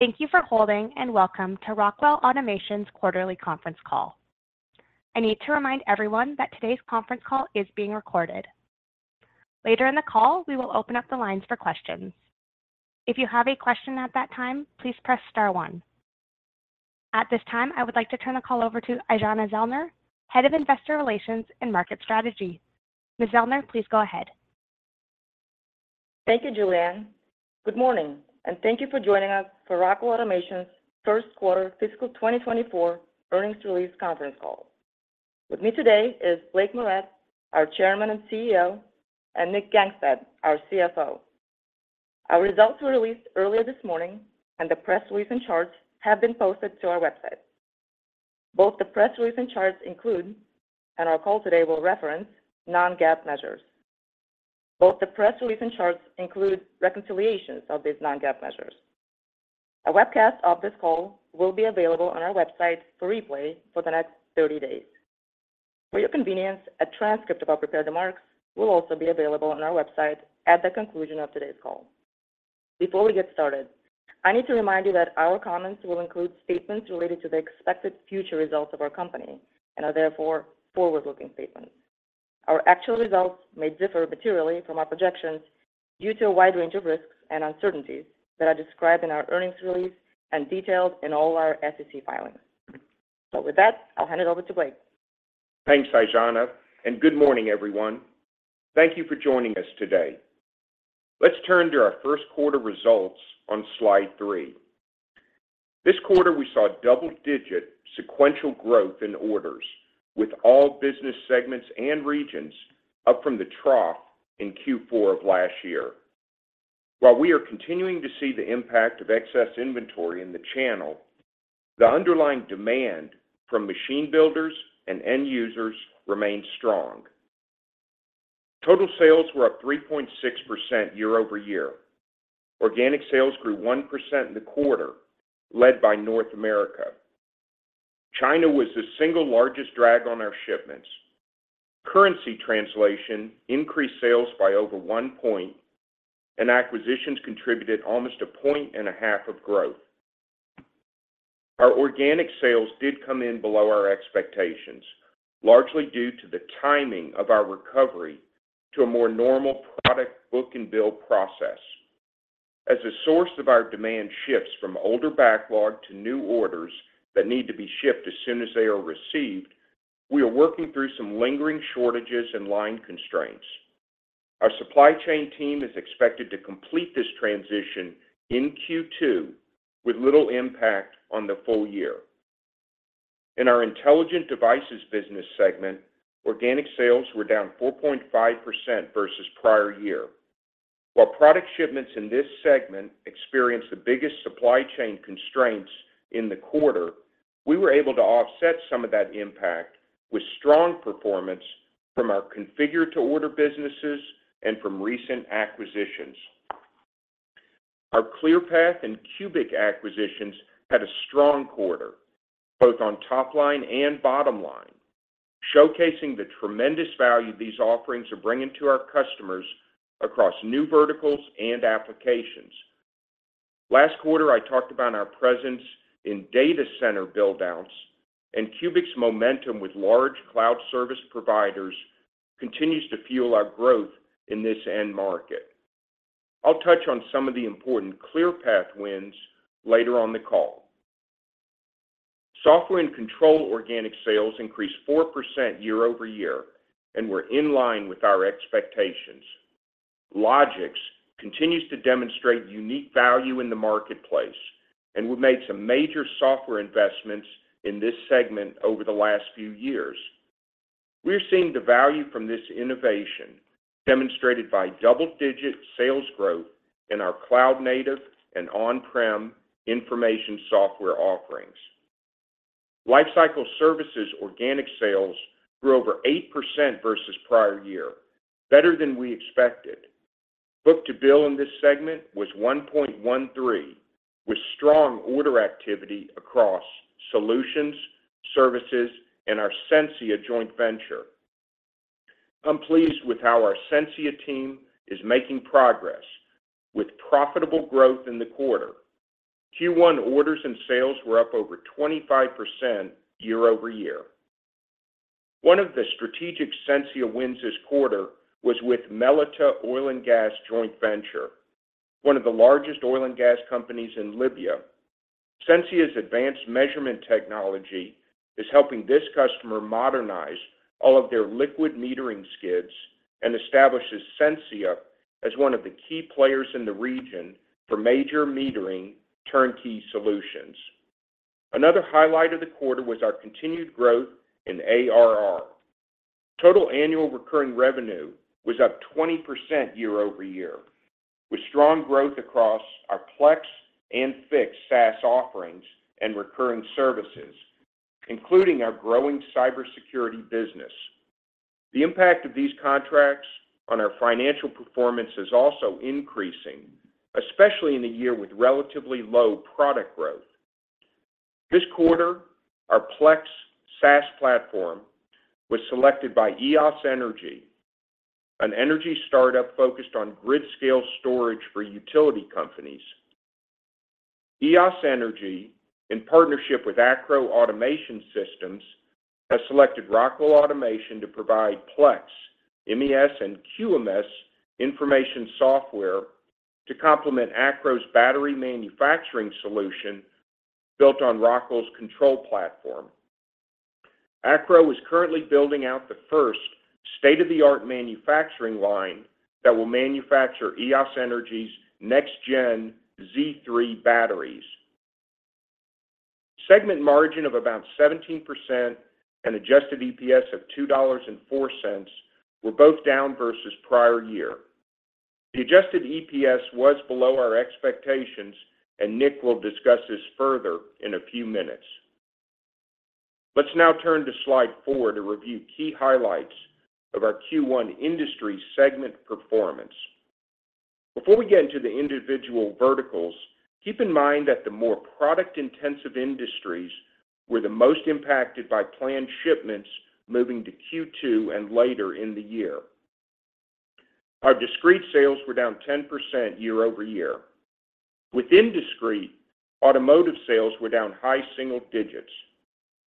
Thank you for holding, and welcome to Rockwell Automation's Quarterly Conference Call. I need to remind everyone that today's conference call is being recorded. Later in the call, we will open up the lines for questions. If you have a question at that time, please press star one. At this time, I would like to turn the call over to Aijana Zellner, Head of Investor Relations and Market Strategy. Ms. Zellner, please go ahead. Thank you, Julianne. Good morning, and thank you for joining us for Rockwell Automation's first quarter fiscal 2024 earnings release conference call. With me today is Blake Moret, our Chairman and CEO, and Nick Gangestad, our CFO. Our results were released earlier this morning, and the press release and charts have been posted to our website. Both the press release and charts include, and our call today will reference, non-GAAP measures. Both the press release and charts include reconciliations of these non-GAAP measures. A webcast of this call will be available on our website for replay for the next 30 days. For your convenience, a transcript of our prepared remarks will also be available on our website at the conclusion of today's call. Before we get started, I need to remind you that our comments will include statements related to the expected future results of our company and are therefore forward-looking statements. Our actual results may differ materially from our projections due to a wide range of risks and uncertainties that are described in our earnings release and detailed in all our SEC filings. With that, I'll hand it over to Blake. Thanks, Aijana, and good morning, everyone. Thank you for joining us today. Let's turn to our first quarter results on slide three. This quarter, we saw double-digit sequential growth in orders, with all business segments and regions up from the trough in Q4 of last year. While we are continuing to see the impact of excess inventory in the channel, the underlying demand from machine builders and end users remains strong. Total sales were up 3.6% year-over-year. Organic sales grew 1% in the quarter, led by North America. China was the single largest drag on our shipments. Currency translation increased sales by over 1 point, and acquisitions contributed almost 1.5 points of growth. Our organic sales did come in below our expectations, largely due to the timing of our recovery to a more normal product book and build process. As the source of our demand shifts from older backlog to new orders that need to be shipped as soon as they are received, we are working through some lingering shortages and line constraints. Our supply chain team is expected to complete this transition in Q2 with little impact on the full year. In our intelligent devices business segment, organic sales were down 4.5% versus prior year. While product shipments in this segment experienced the biggest supply chain constraints in the quarter, we were able to offset some of that impact with strong performance from our configure-to-order businesses and from recent acquisitions. Our Clearpath and CUBIC acquisitions had a strong quarter, both on top line and bottom line, showcasing the tremendous value these offerings are bringing to our customers across new verticals and applications. Last quarter, I talked about our presence in data center build outs, and CUBIC's momentum with large cloud service providers continues to fuel our growth in this end market. I'll touch on some of the important Clearpath wins later on the call. Software and control organic sales increased 4% year-over-year and were in line with our expectations. Logix continues to demonstrate unique value in the marketplace, and we've made some major software investments in this segment over the last few years. We're seeing the value from this innovation demonstrated by double-digit sales growth in our cloud-native and on-prem information software offerings. Lifecycle Services organic sales grew over 8% versus prior year, better than we expected. Book-to-bill in this segment was 1.13, with strong order activity across solutions, services, and our Sensia joint venture. I'm pleased with how our Sensia team is making progress with profitable growth in the quarter. Q1 orders and sales were up over 25% year-over-year. One of the strategic Sensia wins this quarter was with Mellitah Oil & Gas Joint Venture, one of the largest oil and gas companies in Libya. Sensia's advanced measurement technology is helping this customer modernize all of their liquid metering skids and establishes Sensia as one of the key players in the region for major metering turnkey solutions. Another highlight of the quarter was our continued growth in ARR. Total annual recurring revenue was up 20% year-over-year, with strong growth across our Plex and Fiix SaaS offerings and recurring services, including our growing cybersecurity business. The impact of these contracts on our financial performance is also increasing, especially in a year with relatively low product growth.... This quarter, our Plex SaaS platform was selected by Eos Energy, an energy startup focused on grid-scale storage for utility companies. Eos Energy, in partnership with Acro Automation Systems, has selected Rockwell Automation to provide Plex, MES, and QMS information software to complement Acro's battery manufacturing solution, built on Rockwell's control platform. Acro is currently building out the first state-of-the-art manufacturing line that will manufacture Eos Energy's next-gen Z3 batteries. Segment margin of about 17% and Adjusted EPS of $2.04 were both down versus prior year. The Adjusted EPS was below our expectations, and Nick will discuss this further in a few minutes. Let's now turn to slide four to review key highlights of our Q1 industry segment performance. Before we get into the individual verticals, keep in mind that the more product-intensive industries were the most impacted by planned shipments moving to Q2 and later in the year. Our discrete sales were down 10% year-over-year. Within discrete, automotive sales were down high single digits.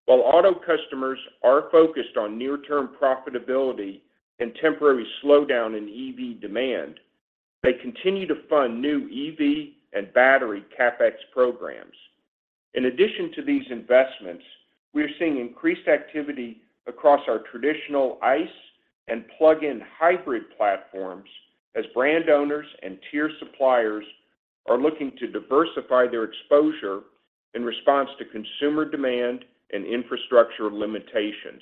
While auto customers are focused on near-term profitability and temporary slowdown in EV demand, they continue to fund new EV and battery CapEx programs. In addition to these investments, we are seeing increased activity across our traditional ICE and plug-in hybrid platforms as brand owners and tier suppliers are looking to diversify their exposure in response to consumer demand and infrastructure limitations.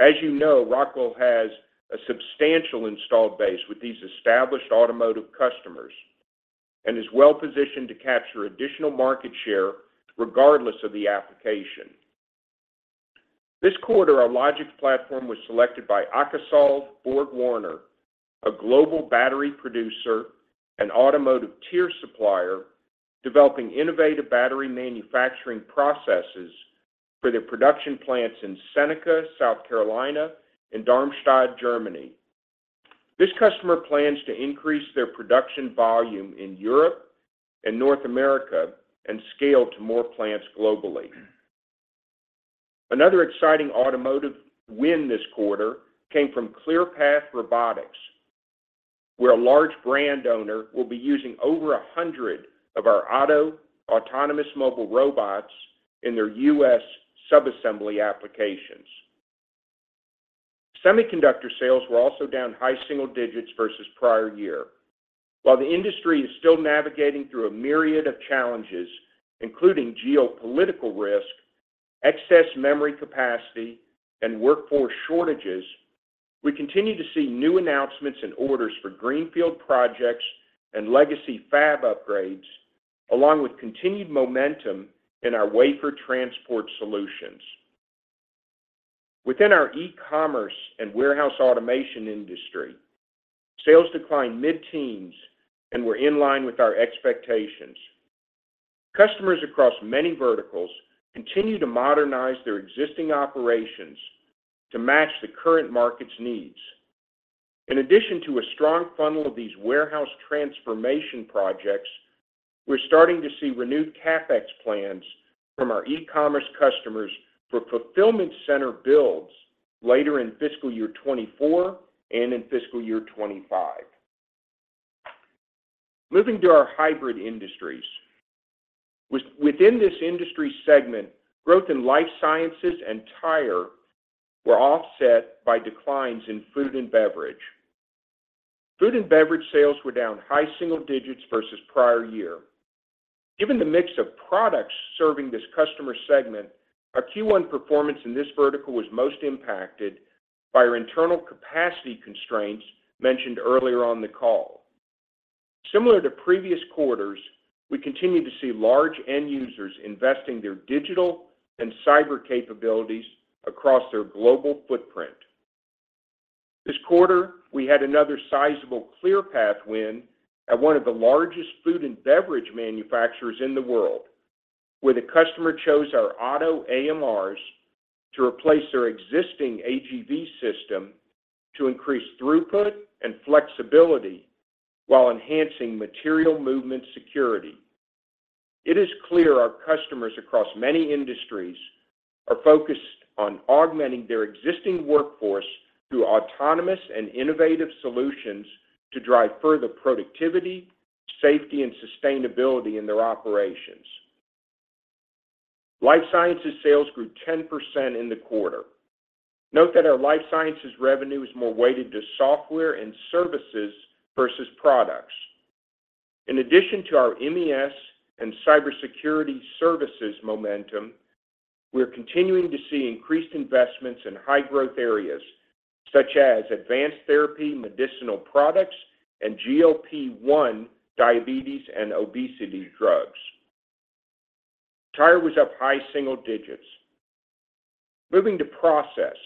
As you know, Rockwell has a substantial installed base with these established automotive customers and is well-positioned to capture additional market share regardless of the application. This quarter, our Logix platform was selected by Akasol BorgWarner, a global battery producer and automotive tier supplier, developing innovative battery manufacturing processes for their production plants in Seneca, South Carolina, and Darmstadt, Germany. This customer plans to increase their production volume in Europe and North America and scale to more plants globally. Another exciting automotive win this quarter came from Clearpath Robotics, where a large brand owner will be using over 100 of our OTTO Autonomous Mobile Robots in their U.S. sub-assembly applications. Semiconductor sales were also down high single digits versus prior year. While the industry is still navigating through a myriad of challenges, including geopolitical risk, excess memory capacity, and workforce shortages, we continue to see new announcements and orders for greenfield projects and legacy fab upgrades, along with continued momentum in our wafer transport solutions. Within our e-commerce and warehouse automation industry, sales declined mid-teens and were in line with our expectations. Customers across many verticals continue to modernize their existing operations to match the current market's needs. In addition to a strong funnel of these warehouse transformation projects, we're starting to see renewed CapEx plans from our e-commerce customers for fulfillment center builds later in fiscal year 2024 and in fiscal year 2025. Moving to our hybrid industries. Within this industry segment, growth in life sciences and tire were offset by declines in food and beverage. Food and beverage sales were down high single digits versus prior year. Given the mix of products serving this customer segment, our Q1 performance in this vertical was most impacted by our internal capacity constraints mentioned earlier on the call. Similar to previous quarters, we continue to see large end users investing their digital and cyber capabilities across their global footprint. This quarter, we had another sizable Clearpath win at one of the largest food and beverage manufacturers in the world, where the customer chose our Otto AMRs to replace their existing AGV system to increase throughput and flexibility while enhancing material movement security. It is clear our customers across many industries are focused on augmenting their existing workforce through Autonomous and Innovative Solutions to drive further productivity, safety, and sustainability in their operations. Life sciences sales grew 10% in the quarter. Note that our life sciences revenue is more weighted to software and services versus products. In addition to our MES and Cybersecurity Services Momentum, we are continuing to see increased investments in high-growth areas such as advanced therapy, medicinal products, and GLP-1 diabetes and obesity drugs. Tire was up high single digits. Moving to process.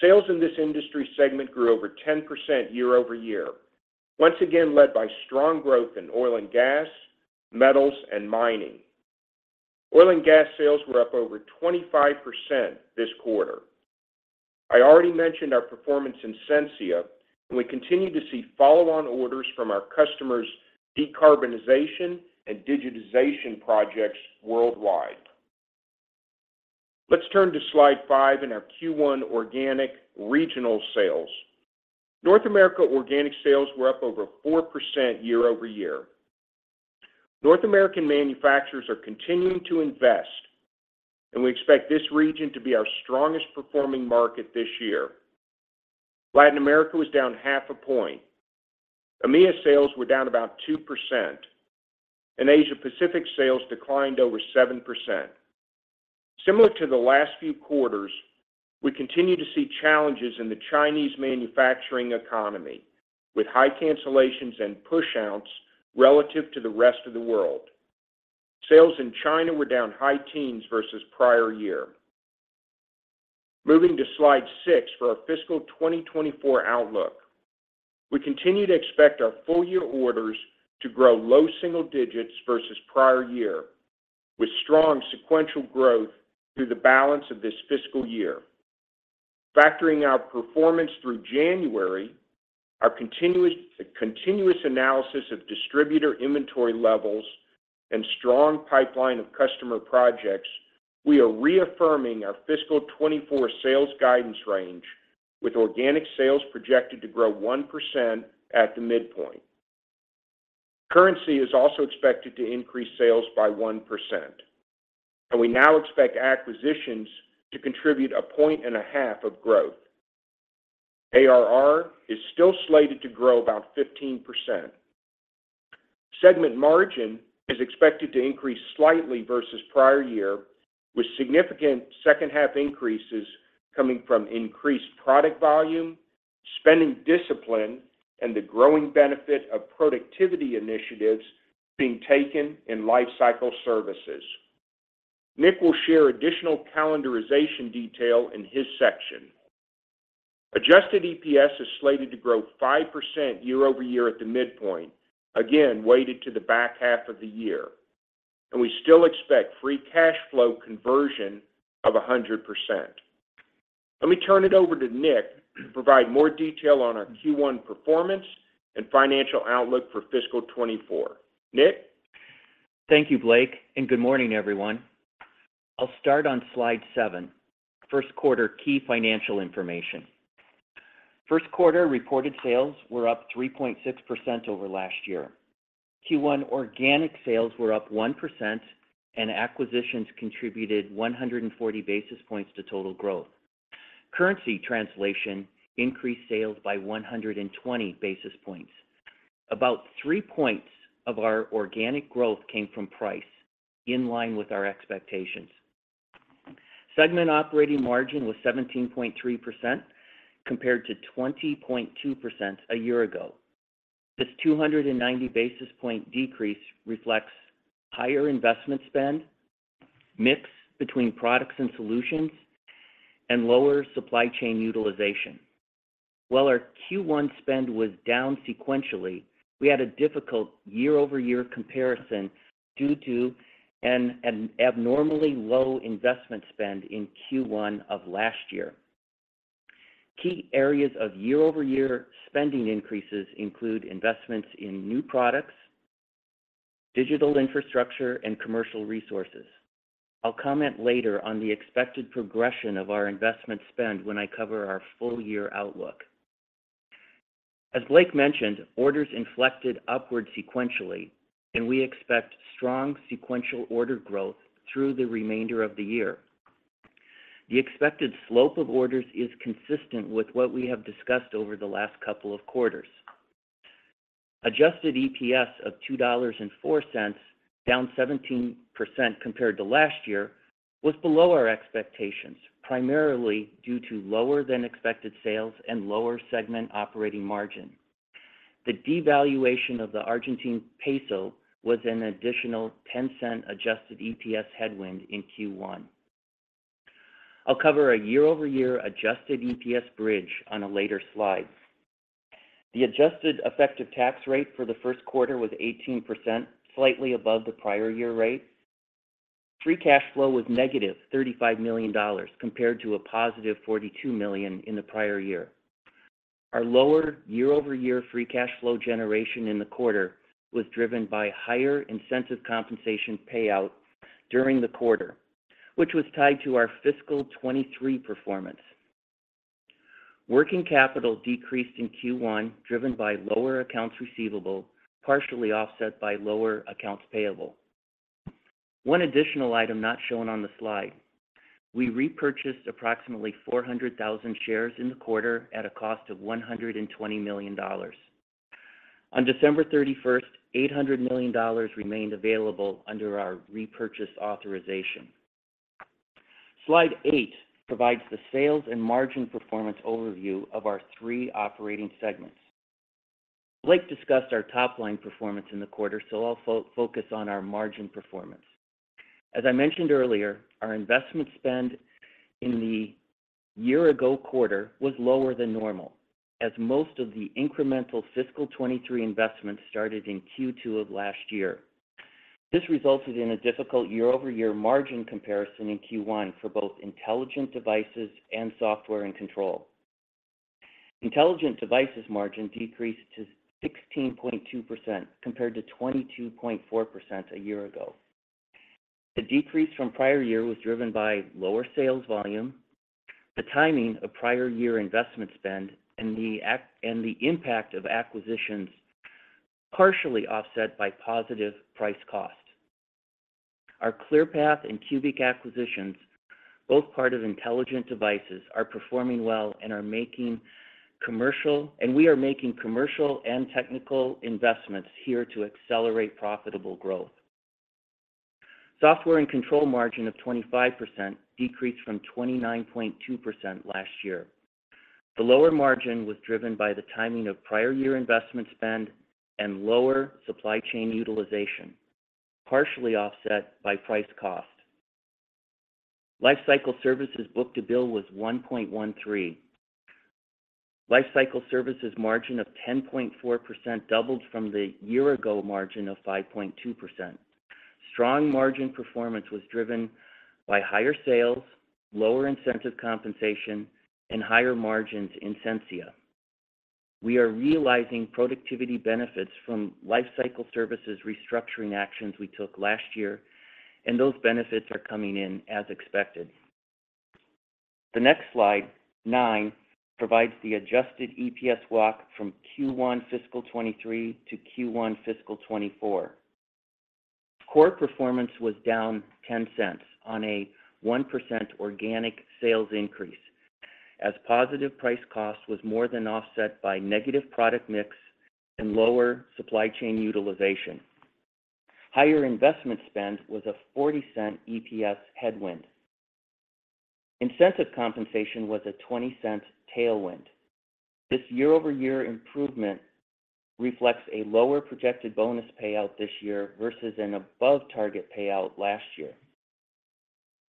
Sales in this industry segment grew over 10% year-over-year, once again led by strong growth in oil and gas, metals, and mining. Oil and gas sales were up over 25% this quarter. I already mentioned our performance in Sensia, and we continue to see follow-on orders from our customers' decarbonization and digitization projects worldwide. Let's turn to slide five in our Q1 organic regional sales. North America organic sales were up over 4% year-over-year. North American manufacturers are continuing to invest, and we expect this region to be our strongest performing market this year. Latin America was down half a point. EMEA sales were down about 2%, and Asia Pacific sales declined over 7%. Similar to the last few quarters, we continue to see challenges in the Chinese manufacturing economy, with high cancellations and pushouts relative to the rest of the world. Sales in China were down high teens versus prior year. Moving to slide six for our fiscal 2024 outlook. We continue to expect our full-year orders to grow low single digits versus prior year, with strong sequential growth through the balance of this fiscal year. Factoring our performance through January, our continuous analysis of distributor inventory levels and strong pipeline of customer projects, we are reaffirming our fiscal 2024 sales guidance range, with organic sales projected to grow 1% at the midpoint. Currency is also expected to increase sales by 1%, and we now expect acquisitions to contribute a point and a half of growth. ARR is still slated to grow about 15%. Segment margin is expected to increase slightly versus prior year, with significant second-half increases coming from increased product volume, spending discipline, and the growing benefit of productivity initiatives being taken in Lifecycle Services. Nick will share additional calendarization detail in his section. Adjusted EPS is slated to grow 5% year-over-year at the midpoint, again, weighted to the back half of the year, and we still expect free cash flow conversion of 100%. Let me turn it over to Nick to provide more detail on our Q1 performance and financial outlook for fiscal 2024. Nick? Thank you, Blake, and good morning, everyone. I'll start on slide seven, first quarter key financial information. First quarter reported sales were up 3.6% over last year. Q1 organic sales were up 1%, and acquisitions contributed 140 basis points to total growth. Currency translation increased sales by 120 basis points. About 3 points of our organic growth came from price, in line with our expectations. Segment operating margin was 17.3%, compared to 20.2% a year ago. This 290 basis point decrease reflects higher investment spend, mix between products and solutions, and lower supply chain utilization. While our Q1 spend was down sequentially, we had a difficult year-over-year comparison due to an abnormally low investment spend in Q1 of last year. Key areas of year-over-year spending increases include investments in new products, digital infrastructure, and commercial resources. I'll comment later on the expected progression of our investment spend when I cover our full-year outlook. As Blake mentioned, orders inflected upward sequentially, and we expect strong sequential order growth through the remainder of the year. The expected slope of orders is consistent with what we have discussed over the last couple of quarters. Adjusted EPS of $2.04, down 17% compared to last year, was below our expectations, primarily due to lower-than-expected sales and lower segment operating margin. The devaluation of the Argentine peso was an additional $0.10 Adjusted EPS headwind in Q1. I'll cover a year-over-year Adjusted EPS bridge on a later slide. The adjusted effective tax rate for the first quarter was 18%, slightly above the prior year rate. Free cash flow was -$35 million, compared to $42 million in the prior year. Our lower year-over-year free cash flow generation in the quarter was driven by higher incentive compensation payout during the quarter, which was tied to our fiscal 2023 performance. Working capital decreased in Q1, driven by lower accounts receivable, partially offset by lower accounts payable. One additional item not shown on the slide: we repurchased approximately 400,000 shares in the quarter at a cost of $120 million. On December 31st, $800 million remained available under our repurchase authorization. Slide 8 provides the sales and margin performance overview of our three operating segments.... Blake discussed our top-line performance in the quarter, so I'll focus on our margin performance. As I mentioned earlier, our investment spend in the year-ago quarter was lower than normal, as most of the incremental fiscal 2023 investments started in Q2 of last year. This resulted in a difficult year-over-year margin comparison in Q1 for both Intelligent Devices and Software and Control. Intelligent Devices margin decreased to 16.2%, compared to 22.4% a year ago. The decrease from prior year was driven by lower sales volume, the timing of prior year investment spend, and the impact of acquisitions, partially offset by positive price cost. Our Clearpath and Cubic acquisitions, both part of Intelligent Devices, are performing well, and we are making commercial and technical investments here to accelerate profitable growth. Software and Control margin of 25% decreased from 29.2% last year. The lower margin was driven by the timing of prior year investment spend and lower supply chain utilization, partially offset by price cost. Lifecycle Services book-to-bill was 1.13. Lifecycle Services margin of 10.4% doubled from the year-ago margin of 5.2%. Strong margin performance was driven by higher sales, lower incentive compensation, and higher margins in Sensia. We are realizing productivity benefits from Lifecycle Services restructuring actions we took last year, and those benefits are coming in as expected. The next slide, nine, provides the Adjusted EPS walk from Q1 fiscal 2023 to Q1 fiscal 2024. Core performance was down $0.10 on a 1% organic sales increase, as positive price cost was more than offset by negative product mix and lower supply chain utilization. Higher investment spend was a $0.40 EPS headwind. Incentive compensation was a $0.20 tailwind. This year-over-year improvement reflects a lower projected bonus payout this year versus an above target payout last year.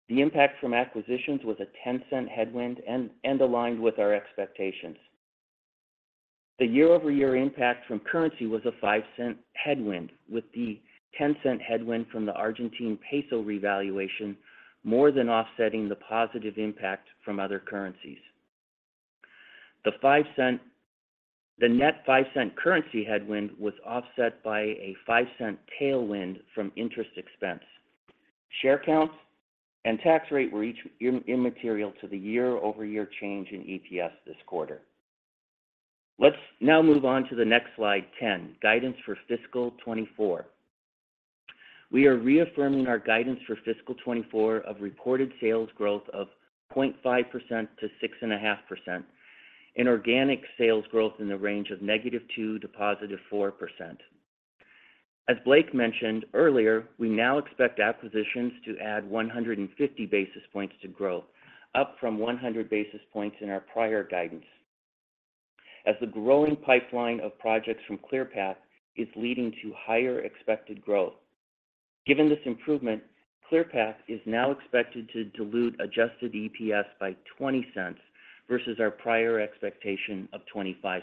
The impact from acquisitions was a $0.10 headwind and aligned with our expectations. The year-over-year impact from currency was a $0.05 headwind, with the $0.10 headwind from the Argentine peso revaluation more than offsetting the positive impact from other currencies. The net $0.05 currency headwind was offset by a $0.05 tailwind from interest expense. Share counts and tax rate were each immaterial to the year-over-year change in EPS this quarter. Let's now move on to the next slide 10, Guidance for Fiscal 2024. We are reaffirming our guidance for fiscal 2024 of reported sales growth of 0.5%-6.5%, and organic sales growth in the range of -2% to +4%. As Blake mentioned earlier, we now expect acquisitions to add 150 basis points to growth, up from 100 basis points in our prior guidance, as the growing pipeline of projects from Clearpath is leading to higher expected growth. Given this improvement, Clearpath is now expected to dilute Adjusted EPS by $0.20 versus our prior expectation of $0.25.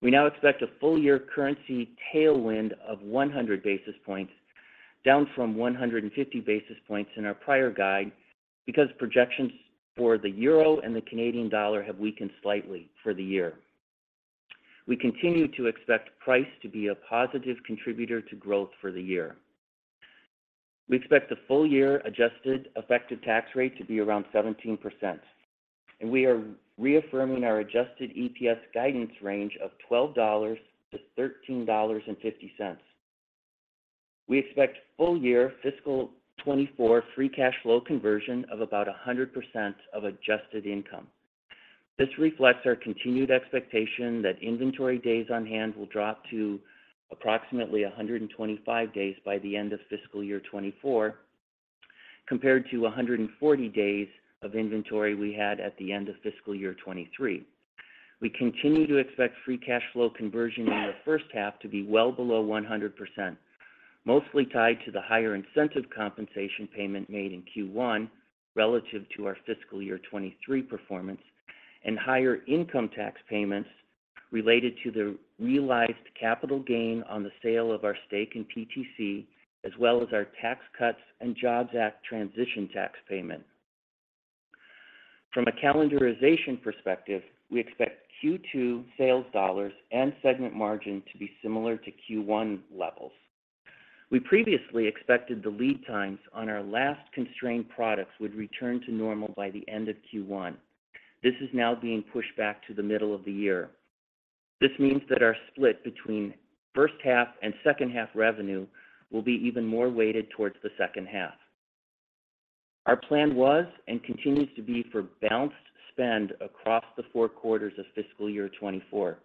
We now expect a full-year currency tailwind of 100 basis points, down from 150 basis points in our prior guide, because projections for the euro and the Canadian dollar have weakened slightly for the year. We continue to expect price to be a positive contributor to growth for the year. We expect the full-year adjusted effective tax rate to be around 17%, and we are reaffirming our Adjusted EPS guidance range of $12-$13.50. We expect full-year fiscal 2024 free cash flow conversion of about 100% of adjusted income. This reflects our continued expectation that inventory days on hand will drop to approximately 125 days by the end of fiscal year 2024, compared to 140 days of inventory we had at the end of fiscal year 2023. We continue to expect free cash flow conversion in the first half to be well below 100%, mostly tied to the higher incentive compensation payment made in Q1 relative to our fiscal year 2023 performance, and higher income tax payments related to the realized capital gain on the sale of our stake in PTC, as well as our Tax Cuts and Jobs Act transition tax payment. From a calendarization perspective, we expect Q2 sales dollars and segment margin to be similar to Q1 levels. We previously expected the lead times on our last constrained products would return to normal by the end of Q1. This is now being pushed back to the middle of the year. This means that our split between first half and second half revenue will be even more weighted towards the second half. Our plan was, and continues to be, for balanced spend across the four quarters of fiscal year 2024,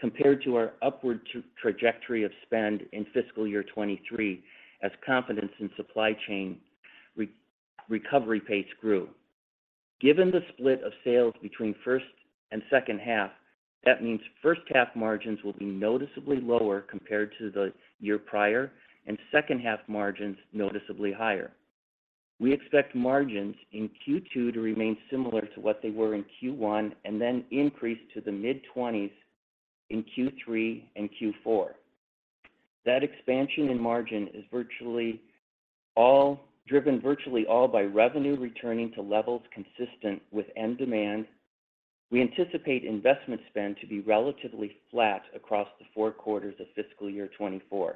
compared to our upward trajectory of spend in fiscal year 2023, as confidence in supply chain recovery pace grew. Given the split of sales between first and second half, that means first half margins will be noticeably lower compared to the year prior, and second half margins noticeably higher. We expect margins in Q2 to remain similar to what they were in Q1, and then increase to the mid-20s in Q3 and Q4. That expansion in margin is virtually all, driven virtually all by revenue returning to levels consistent with end demand. We anticipate investment spend to be relatively flat across the four quarters of fiscal year 2024.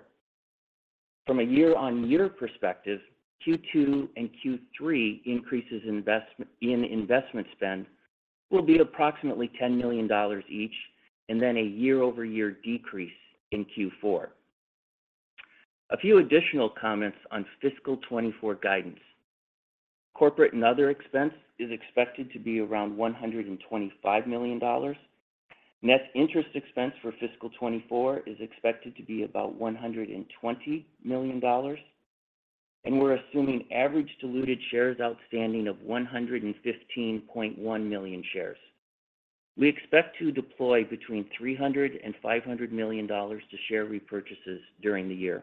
From a year-on-year perspective, Q2 and Q3 increases in investment spend will be approximately $10 million each, and then a year-over-year decrease in Q4. A few additional comments on fiscal 2024 guidance. Corporate and other expense is expected to be around $125 million. Net interest expense for fiscal 2024 is expected to be about $120 million, and we're assuming average diluted shares outstanding of 115.1 million shares. We expect to deploy between $300 million and $500 million to share repurchases during the year.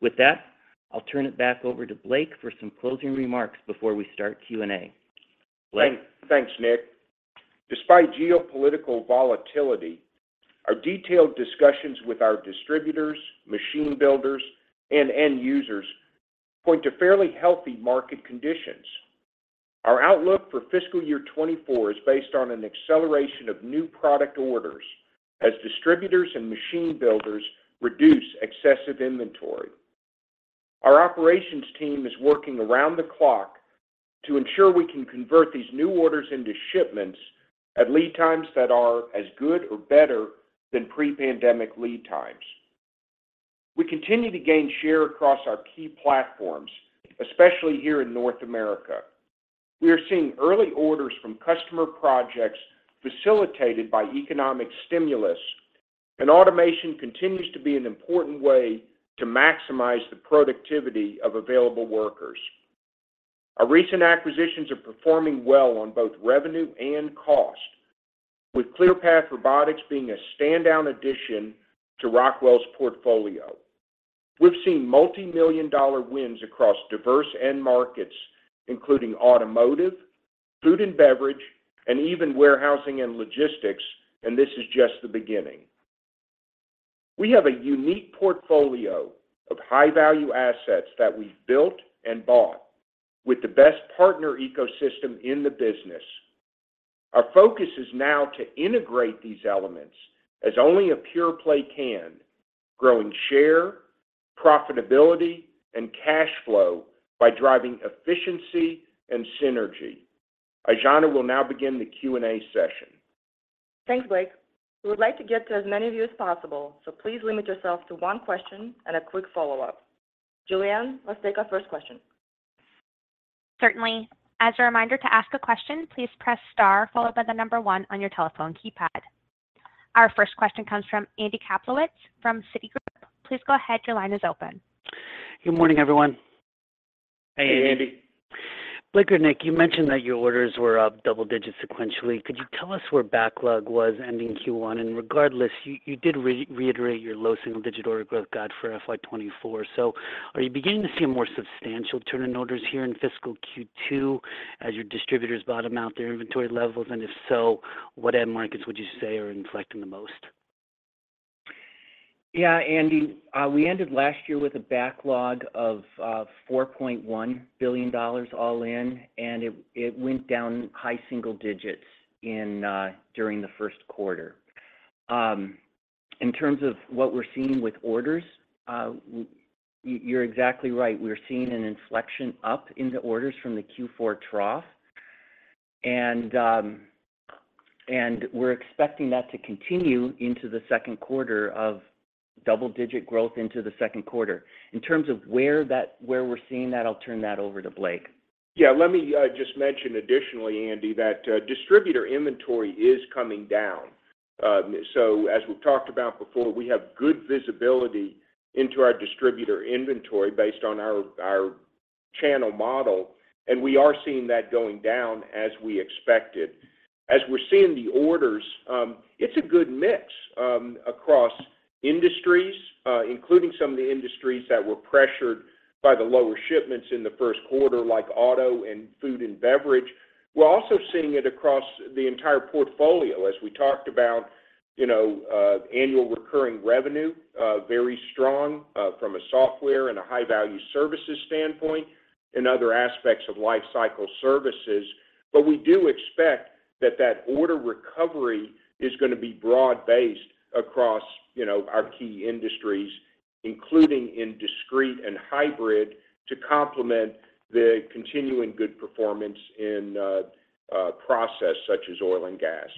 With that, I'll turn it back over to Blake for some closing remarks before we start Q&A. Blake? Thanks, Nick. Despite geopolitical volatility, our detailed discussions with our distributors, machine builders, and end users point to fairly healthy market conditions. Our outlook for fiscal year 2024 is based on an acceleration of new product orders as distributors and machine builders reduce excessive inventory. Our operations team is working around the clock to ensure we can convert these new orders into shipments at lead times that are as good or better than pre-pandemic lead times. We continue to gain share across our key platforms, especially here in North America. We are seeing early orders from customer projects facilitated by economic stimulus, and automation continues to be an important way to maximize the productivity of available workers. Our recent acquisitions are performing well on both revenue and cost, with Clearpath Robotics being a standout addition to Rockwell's portfolio. We've seen multimillion-dollar wins across diverse end markets, including automotive, food and beverage, and even warehousing and logistics, and this is just the beginning. We have a unique portfolio of high-value assets that we've built and bought with the best partner ecosystem in the business. Our focus is now to integrate these elements as only a pure play can, growing share, profitability, and cash flow by driving efficiency and synergy. Aijana will now begin the Q&A session. Thanks, Blake. We would like to get to as many of you as possible, so please limit yourself to one question and a quick follow-up. Julianne, let's take our first question. Certainly. As a reminder, to ask a question, please press star followed by the number one on your telephone keypad. Our first question comes from Andy Kaplowitz from Citigroup. Please go ahead. Your line is open. Good morning, everyone. Hey, Andy. Hey, Andy. Blake or Nick, you mentioned that your orders were up double digits sequentially. Could you tell us where backlog was ending Q1? And regardless, you did reiterate your low single-digit order growth guide for FY 2024. So are you beginning to see a more substantial turn in orders here in fiscal Q2 as your distributors bottom out their inventory levels? And if so, what end markets would you say are inflecting the most? Yeah, Andy, we ended last year with a backlog of $4.1 billion all in, and it went down high single digits during the first quarter. In terms of what we're seeing with orders, you're exactly right. We're seeing an inflection up in the orders from the Q4 trough. And, and we're expecting that to continue into the second quarter of double-digit growth into the second quarter. In terms of where that- where we're seeing that, I'll turn that over to Blake. Yeah, let me just mention additionally, Andy, that distributor inventory is coming down. So as we've talked about before, we have good visibility into our distributor inventory based on our channel model, and we are seeing that going down as we expected. As we're seeing the orders, it's a good mix across industries, including some of the industries that were pressured by the lower shipments in the first quarter, like auto and food and beverage. We're also seeing it across the entire portfolio as we talked about, you know, annual recurring revenue very strong from a software and a high-value services standpoint and other aspects of Lifecycle Services. We do expect that that order recovery is going to be broad-based across, you know, our key industries, including in discrete and hybrid, to complement the continuing good performance in process such as oil and gas.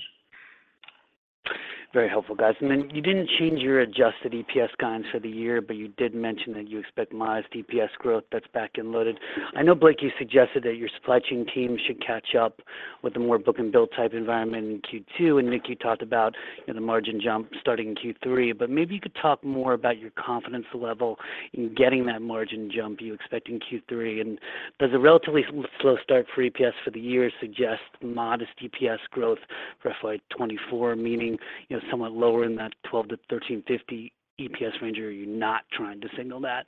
Very helpful, guys. And then you didn't change your Adjusted EPS guidance for the year, but you did mention that you expect modest EPS growth that's back-end loaded. I know, Blake, you suggested that your supply chain team should catch up with a more book-and-build type environment in Q2, and Nick, you talked about the margin jump starting in Q3. But maybe you could talk more about your confidence level in getting that margin jump you expect in Q3. And does the relatively slow start for EPS for the year suggest modest EPS growth for FY 2024, meaning, you know, somewhat lower in that $12-$13.50 EPS range? Or are you not trying to signal that?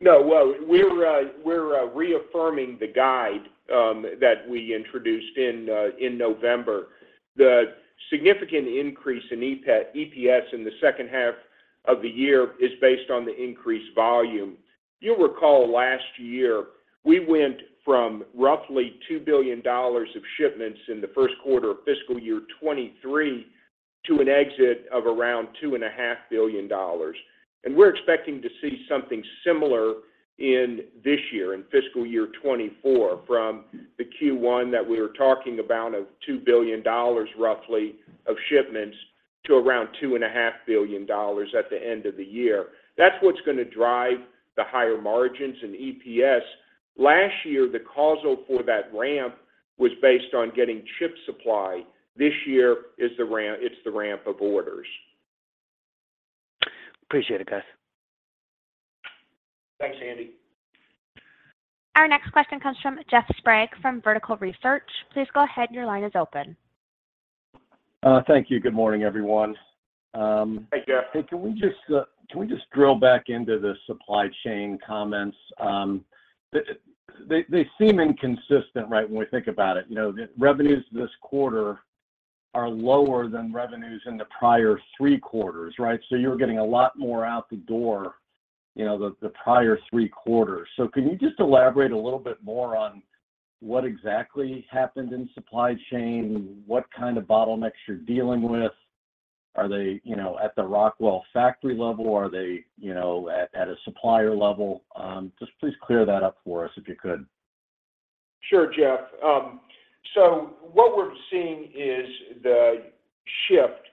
No, well, we're reaffirming the guide that we introduced in November. The significant increase in EPS in the second half of the year is based on the increased volume. You'll recall last year, we went from roughly $2 billion of shipments in the first quarter of fiscal year 2023, to an exit of around $2.5 billion. And we're expecting to see something similar in this year, in fiscal year 2024, from the Q1 that we were talking about of $2 billion, roughly, of shipments, to around $2.5 billion at the end of the year. That's what's gonna drive the higher margins in EPS. Last year, the cause for that ramp was based on getting chip supply. This year is the ramp. It's the ramp of orders. Appreciate it, guys. Thanks, Andy. Our next question comes from Jeff Sprague, from Vertical Research. Please go ahead, your line is open. Thank you. Good morning, everyone. Hey, Jeff. Hey, can we just, can we just drill back into the supply chain comments? They, they seem inconsistent, right, when we think about it. You know, the revenues this quarter are lower than revenues in the prior three quarters, right? So you're getting a lot more out the door, you know, the prior three quarters. So can you just elaborate a little bit more on what exactly happened in supply chain? What kind of bottlenecks you're dealing with? Are they, you know, at the Rockwell factory level, or are they, you know, at a supplier level? Just please clear that up for us, if you could. Sure, Jeff. So what we're seeing is the shift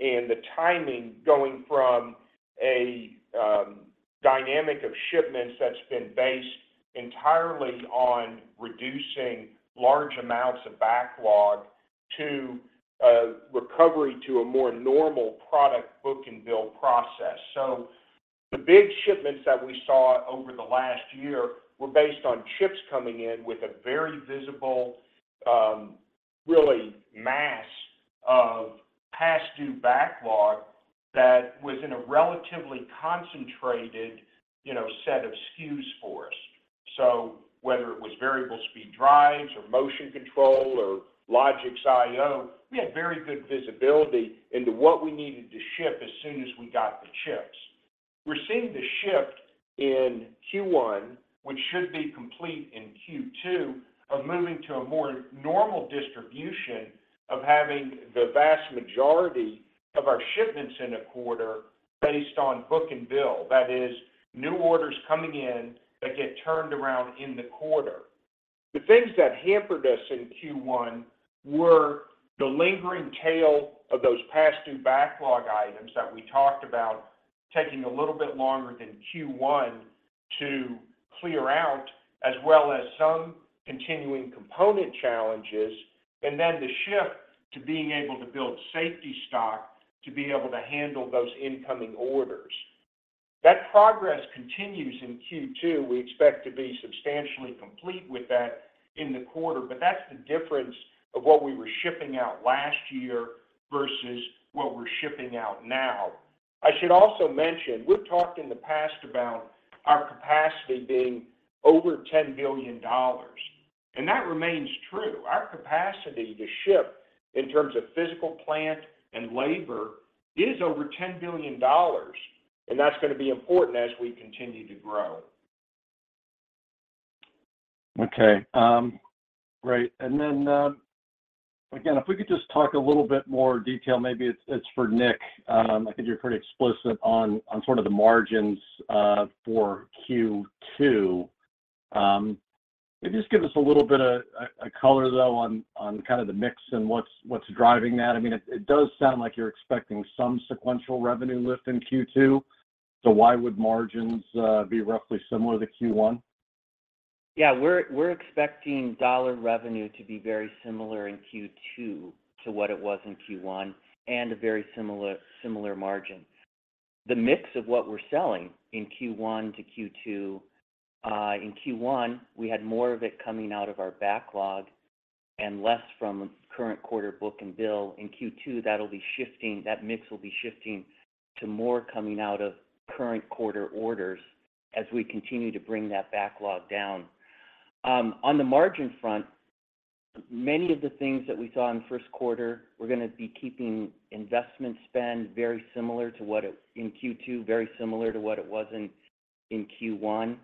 in the timing going from a dynamic of shipments that's been based entirely on reducing large amounts of backlog to a recovery to a more normal product book-and-bill process. So the big shipments that we saw over the last year were based on chips coming in with a very visible really mass of past due backlog that was in a relatively concentrated, you know, set of SKUs for us. So whether it was variable speed drives or motion control or Logix I/O, we had very good visibility into what we needed to ship as soon as we got the chips. We're seeing the shift in Q1, which should be complete in Q2, of moving to a more normal distribution of having the vast majority of our shipments in a quarter based on book and bill. That is, new orders coming in that get turned around in the quarter. The things that hampered us in Q1 were the lingering tail of those past due backlog items that we talked about, taking a little bit longer than Q1 to clear out, as well as some continuing component challenges, and then the shift to being able to build safety stock to be able to handle those incoming orders. That progress continues in Q2. We expect to be substantially complete with that in the quarter, but that's the difference of what we were shipping out last year versus what we're shipping out now. I should also mention, we've talked in the past about our capacity being over $10 billion, and that remains true. Our capacity to ship, in terms of physical plant and labor, is over $10 billion, and that's gonna be important as we continue to grow. Okay, great. And then, again, if we could just talk a little bit more detail, maybe it's for Nick. I think you're pretty explicit on sort of the margins for Q2. Can you just give us a little bit of a color, though, on kind of the mix and what's driving that? I mean, it does sound like you're expecting some sequential revenue lift in Q2, so why would margins be roughly similar to Q1? Yeah, we're expecting dollar revenue to be very similar in Q2 to what it was in Q1, and a very similar margin. The mix of what we're selling in Q1-Q2, in Q1, we had more of it coming out of our backlog and less from current quarter book and bill. In Q2, that'll be shifting - that mix will be shifting to more coming out of current quarter orders as we continue to bring that backlog down. On the margin front, many of the things that we saw in the first quarter, we're gonna be keeping investment spend very similar to what it was in Q1.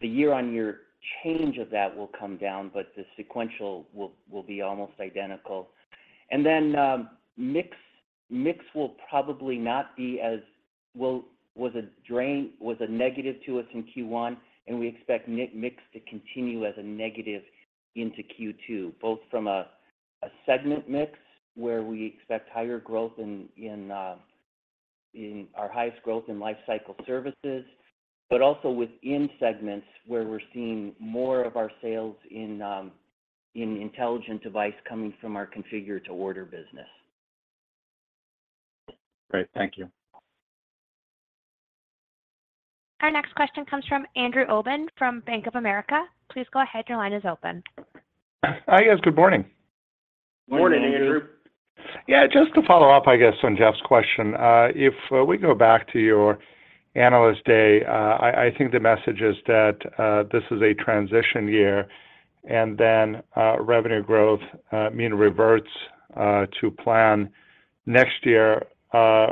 The year-on-year change of that will come down, but the sequential will be almost identical. Then, mix will probably not be as well, was a negative to us in Q1, and we expect mix to continue as a negative into Q2, both from a segment mix, where we expect higher growth in our highest growth in Lifecycle Services, but also within segments, where we're seeing more of our sales in Intelligent Devices coming from our configure-to-order business. Great. Thank you. Our next question comes from Andrew Obin, from Bank of America. Please go ahead, your line is open. Hi, guys, good morning.... Morning, Andrew. Yeah, just to follow up, I guess, on Jeff's question. If we go back to your Analyst Day, I think the message is that this is a transition year, and then revenue growth mean reverts to plan next year,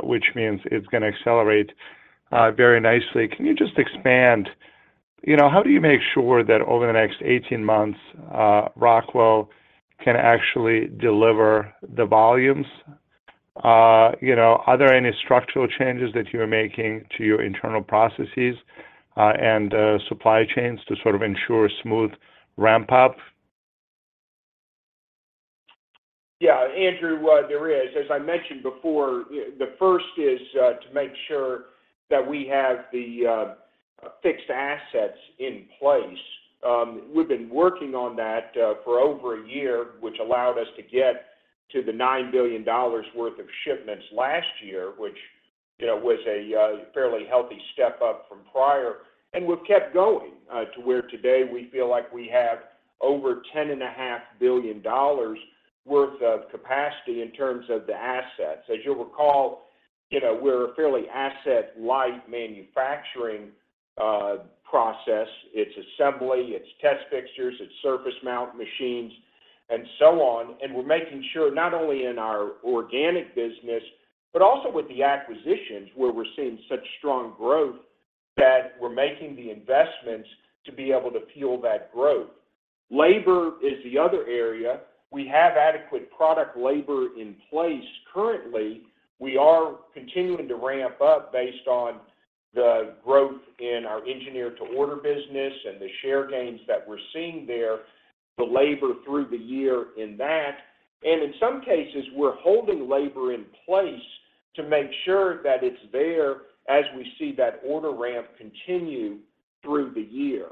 which means it's gonna accelerate very nicely. Can you just expand? You know, how do you make sure that over the next 18 months, Rockwell can actually deliver the volumes? You know, are there any structural changes that you are making to your internal processes and supply chains to sort of ensure a smooth ramp-up? Yeah, Andrew, there is. As I mentioned before, the first is to make sure that we have the fixed assets in place. We've been working on that for over a year, which allowed us to get to the $9 billion worth of shipments last year, which, you know, was a fairly healthy step up from prior. And we've kept going to where today we feel like we have over $10.5 billion worth of capacity in terms of the assets. As you'll recall, you know, we're a fairly asset-light manufacturing process. It's assembly, it's test fixtures, it's surface mount machines, and so on. And we're making sure not only in our organic business, but also with the acquisitions, where we're seeing such strong growth, that we're making the investments to be able to fuel that growth. Labor is the other area. We have adequate product labor in place. Currently, we are continuing to ramp up based on the growth in our engineer-to-order business and the share gains that we're seeing there, the labor through the year in that, and in some cases, we're holding labor in place to make sure that it's there as we see that order ramp continue through the year.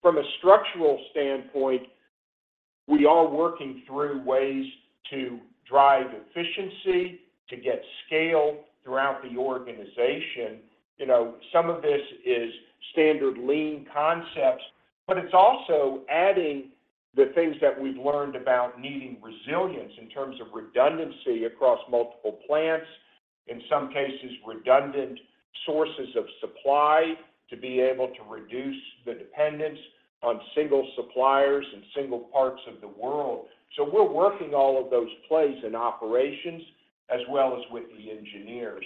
From a structural standpoint, we are working through ways to drive efficiency, to get scale throughout the organization. You know, some of this is standard lean concepts, but it's also adding the things that we've learned about needing resilience in terms of redundancy across multiple plants, in some cases, redundant sources of supply, to be able to reduce the dependence on single suppliers and single parts of the world. We're working all of those plays in operations as well as with the engineers.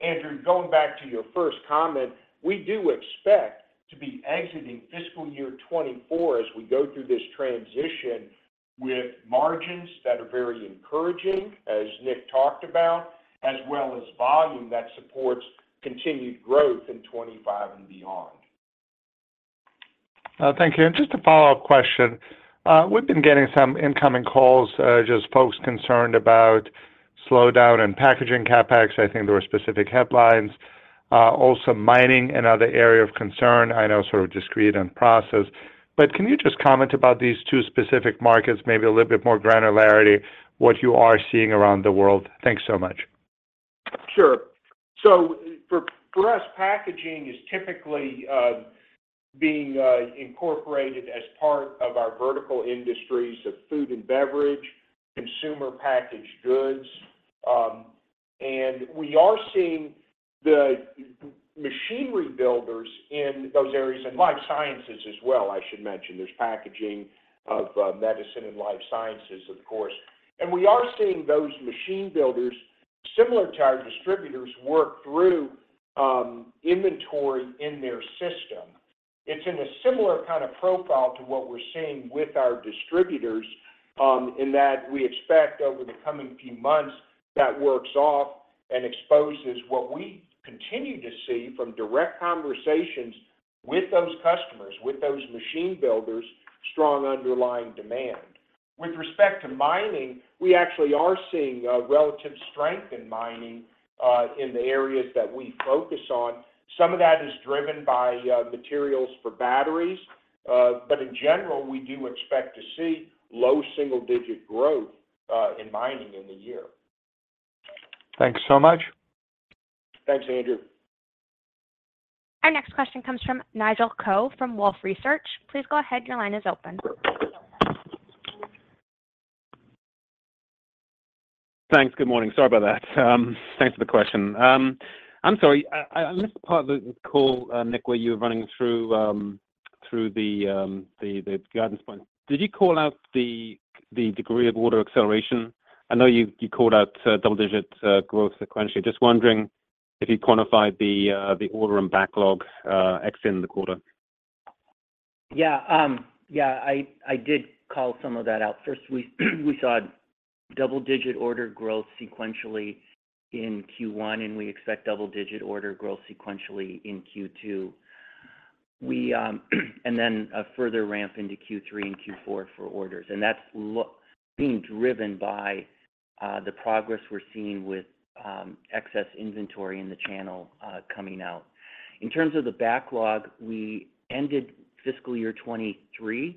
Andrew, going back to your first comment, we do expect to be exiting fiscal year 2024 as we go through this transition with margins that are very encouraging, as Nick talked about, as well as volume that supports continued growth in 2025 and beyond. Thank you. Just a follow-up question. We've been getting some incoming calls, just folks concerned about slowdown in packaging CapEx. I think there were specific headlines. Also mining, another area of concern, I know sort of discrete and process. But can you just comment about these two specific markets, maybe a little bit more granularity, what you are seeing around the world? Thanks so much. Sure. So for us, packaging is typically being incorporated as part of our vertical industries of food and beverage, consumer packaged goods. And we are seeing the machinery builders in those areas, and life sciences as well, I should mention. There's packaging of medicine and life sciences, of course, and we are seeing those machine builders, similar to our distributors, work through inventory in their system. It's in a similar kind of profile to what we're seeing with our distributors, in that we expect over the coming few months, that works off and exposes what we continue to see from direct conversations with those customers, with those machine builders, strong underlying demand. With respect to mining, we actually are seeing a relative strength in mining, in the areas that we focus on. Some of that is driven by materials for batteries, but in general, we do expect to see low single-digit growth in mining in the year. Thank you so much. Thanks, Andrew. Our next question comes from Nigel Coe from Wolfe Research. Please go ahead. Your line is open. Thanks. Good morning. Sorry about that. Thanks for the question. I'm sorry, I missed part of the call, Nick, where you were running through the guidance point. Did you call out the degree of order acceleration? I know you called out double-digit growth sequentially. Just wondering if you quantified the order and backlog ex in the quarter. Yeah, yeah, I, I did call some of that out. First, we, we saw double-digit order growth sequentially in Q1, and we expect double-digit order growth sequentially in Q2. We, and then a further ramp into Q3 and Q4 for orders, and that's being driven by the progress we're seeing with excess inventory in the channel coming out. In terms of the backlog, we ended fiscal year 2023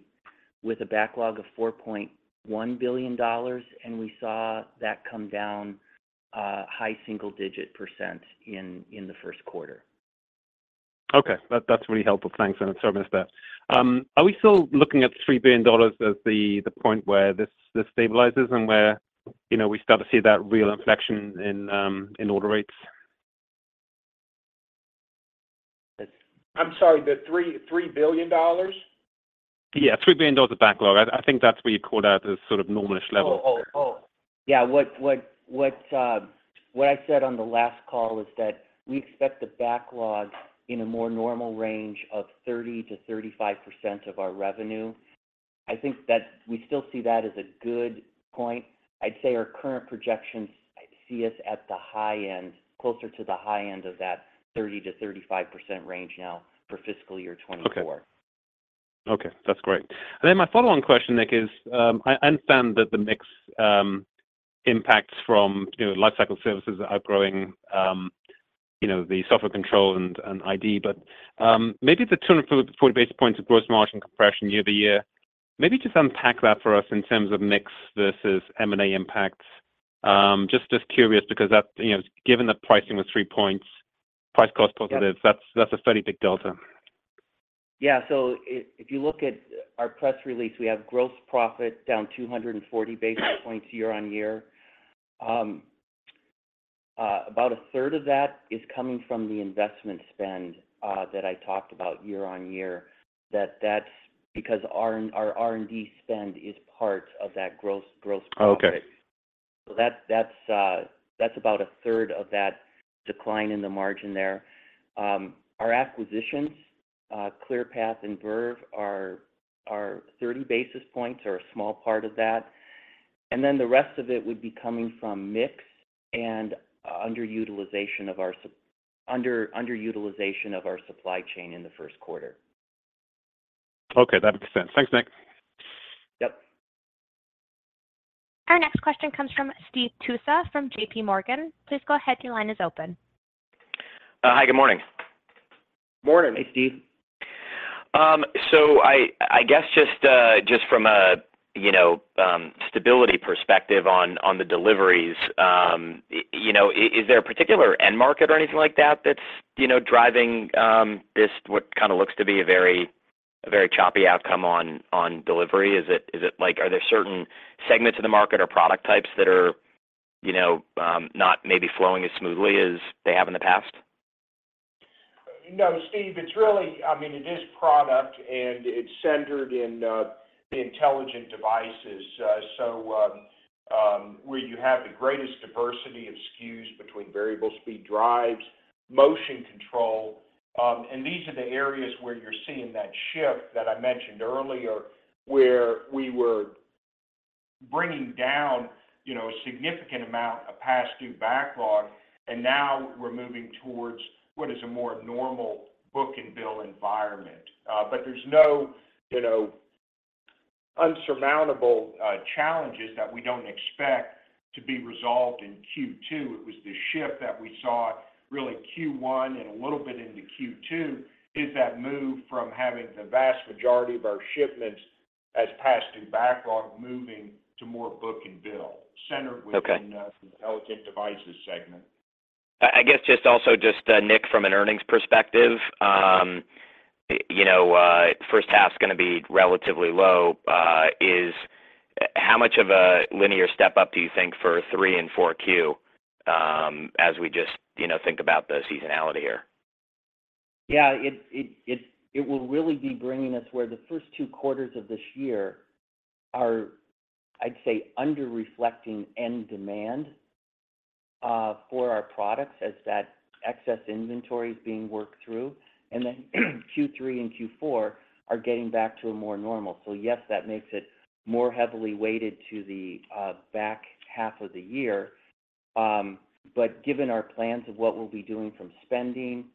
with a backlog of $4.1 billion, and we saw that come down high single-digit% in the first quarter.... Okay, that's really helpful. Thanks, and I'm sorry, I missed that. Are we still looking at $3 billion as the point where this stabilizes and where, you know, we start to see that real inflection in order rates? I'm sorry, the $3 billion? Yeah, $3 billion of backlog. I, I think that's what you called out as sort of normalish level. Oh, yeah. What I said on the last call is that we expect the backlog in a more normal range of 30%-35% of our revenue. I think that we still see that as a good point. I'd say our current projections, I'd see us at the high end, closer to the high end of that 30%-35% range now for fiscal year 2024. Okay. Okay, that's great. And then my follow-on question, Nick, is, I understand that the mix impacts from, you know, life cycle services are outgrowing, you know, the software control and, and ID. But, maybe the 240 basis points of gross margin compression year-over-year, maybe just unpack that for us in terms of mix versus M&A impacts. Just, just curious because that, you know, given the pricing was 3 points, price cost positive- Yep. That's, that's a fairly big delta. Yeah. So if you look at our press release, we have gross profit down 240 basis points year-on-year. About a third of that is coming from the investment spend that I talked about year-on-year, that's because our R&D spend is part of that gross profit. Okay. That's about a third of that decline in the margin there. Our acquisitions, ClearPath and Verve, are 30 basis points or a small part of that, and then the rest of it would be coming from mix and underutilization of our supply chain in the first quarter. Okay, that makes sense. Thanks, Nick. Yep. Our next question comes from Steve Tusa from JPMorgan. Please go ahead. Your line is open. Hi, good morning. Morning. Hey, Steve. So, I guess just from a, you know, stability perspective on the deliveries, you know, is there a particular end market or anything like that that's driving this what kind of looks to be a very choppy outcome on delivery? Is it like... Are there certain segments of the market or product types that are, you know, not maybe flowing as smoothly as they have in the past? No, Steve. It's really, I mean, it is product, and it's centered in intelligent devices. So, where you have the greatest diversity of SKUs between variable speed drives, motion control, and these are the areas where you're seeing that shift that I mentioned earlier, where we were bringing down, you know, a significant amount of past due backlog, and now we're moving towards what is a more normal book and bill environment. But there's no, you know, unsurmountable challenges that we don't expect to be resolved in Q2. It was the shift that we saw, really, Q1 and a little bit into Q2, is that move from having the vast majority of our shipments as past due backlog, moving to more book and bill, centered within- Okay... the intelligent devices segment. I guess just also, Nick, from an earnings perspective, you know, first half's gonna be relatively low. How much of a linear step up do you think for three and 4Q, as we just, you know, think about the seasonality here? Yeah, it will really be bringing us where the first two quarters of this year are, I'd say, under-reflecting end demand for our products as that excess inventory is being worked through, and then, Q3 and Q4 are getting back to a more normal. So yes, that makes it more heavily weighted to the back half of the year. But given our plans of what we'll be doing from spending,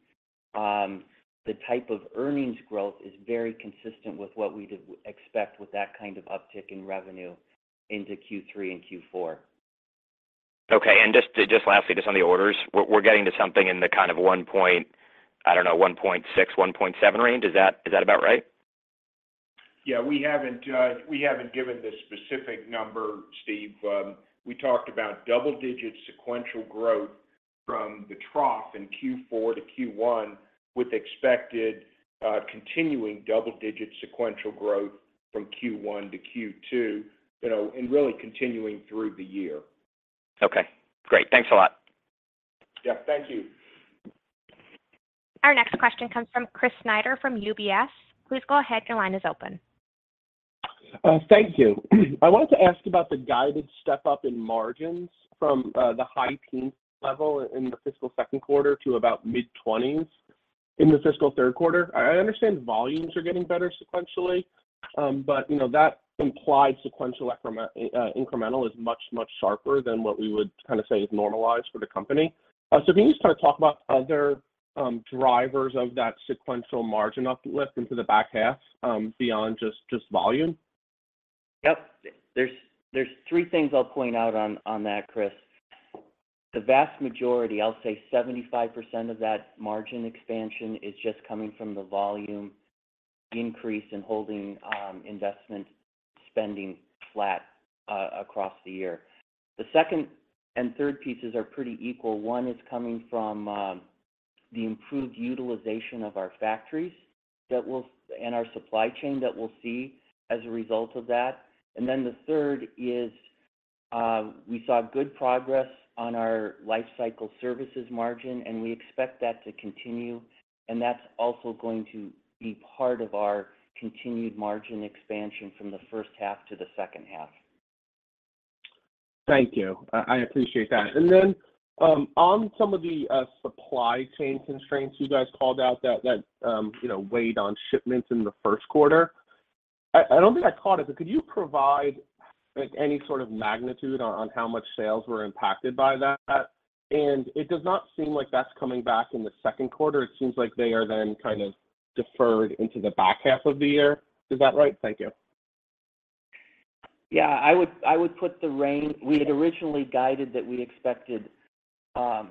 the type of earnings growth is very consistent with what we'd expect with that kind of uptick in revenue into Q3 and Q4. Okay. And just lastly, on the orders, we're getting to something in the kind of $1.6 billion-$1.7 billion range. Is that about right? Yeah, we haven't given the specific number, Steve. We talked about double-digit sequential growth from the trough in Q4-Q1, with expected continuing double-digit sequential growth from Q1-Q2, you know, and really continuing through the year. Okay, great. Thanks a lot. Yeah, thank you. Our next question comes from Chris Snyder from UBS. Please go ahead. Your line is open. Thank you. I wanted to ask about the guided step up in margins from the high-10s level in the fiscal second quarter to about mid-20s in the fiscal third quarter. I understand volumes are getting better sequentially, but, you know, that implied sequential incremental is much, much sharper than what we would kind of say is normalized for the company. Can you start to talk about other drivers of that sequential margin uplift into the back half, beyond just volume? Yep. There's three things I'll point out on that, Chris. The vast majority, I'll say 75% of that margin expansion, is just coming from the volume increase in holding investment spending flat across the year. The second and third pieces are pretty equal. One is coming from the improved utilization of our factories that we'll and our supply chain that we'll see as a result of that. And then the third is, we saw good progress on our Lifecycle Services margin, and we expect that to continue, and that's also going to be part of our continued margin expansion from the first half to the second half. Thank you. I appreciate that. And then, on some of the supply chain constraints, you guys called out that you know, weighed on shipments in the first quarter. I don't think I caught it, but could you provide, like, any sort of magnitude on how much sales were impacted by that? And it does not seem like that's coming back in the second quarter. It seems like they are then kind of deferred into the back half of the year. Is that right? Thank you. Yeah, I would, I would put the range—we had originally guided that we expected low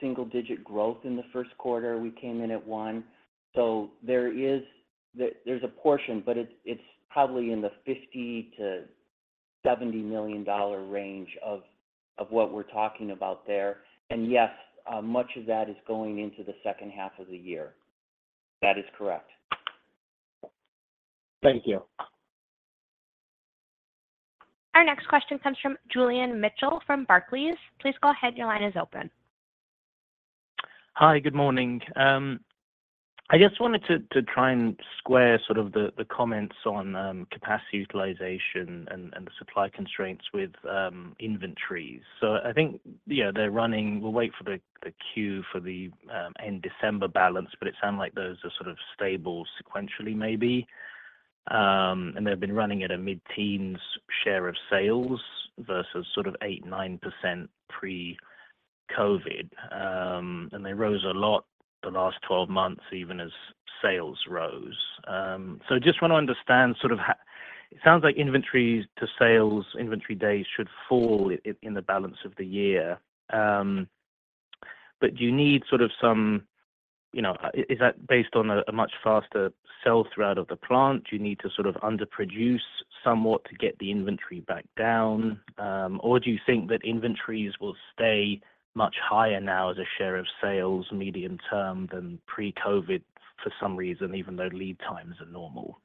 single-digit growth in the first quarter. We came in at one, so there is—there, there's a portion, but it's, it's probably in the $50 million-$70 million range of, of what we're talking about there. And yes, much of that is going into the second half of the year. That is correct. Thank you. Our next question comes from Julian Mitchell from Barclays. Please go ahead. Your line is open. Hi, good morning. I just wanted to try and square sort of the comments on capacity utilization and the supply constraints with inventories. So I think, you know, they're running. We'll wait for the 10-Q for the end-December balance, but it sounded like those are sort of stable sequentially, maybe. And they've been running at a mid-teens share of sales versus sort of 8%, 9% pre-COVID. And they rose a lot the last 12 months, even as sales rose. So just want to understand sort of how it sounds like inventories to sales, inventory days should fall in the balance of the year. But do you need sort of some, you know, is that based on a much faster sell-through out of the plant? Do you need to sort of underproduce somewhat to get the inventory back down? Or do you think that inventories will stay much higher now as a share of sales medium term than pre-COVID for some reason, even though lead times are normal?